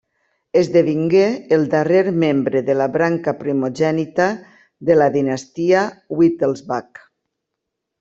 Esdevingué el darrer membre de la branca primogènita de la dinastia Wittelsbach.